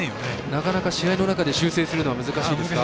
なかなか試合の中で修正するのは難しいですか。